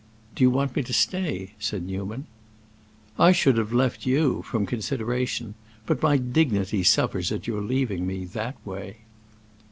"Do you want me to stay?" said Newman. "I should have left you—from consideration. But my dignity suffers at your leaving me—that way."